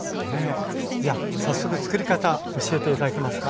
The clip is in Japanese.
じゃあ早速つくり方教えて頂けますか。